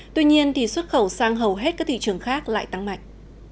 tuy nhiên xuất khẩu sang hầu hết các thị trường khác lại tăng mạnh